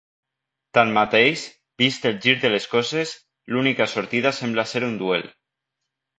Tanmateix, vist el gir de les coses, l'única sortida sembla ser un duel.